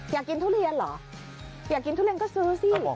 อยากกินทุเรียนเหรออยากกินทุเรียนก็ซื้อสิ